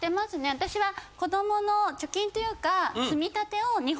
私は子供の貯金というか。